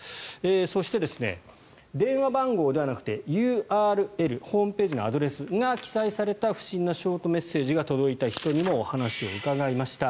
そして、電話番号ではなくてＵＲＬホームページのアドレスが記載された不審なショートメッセージが届いた人にもお話を伺いました。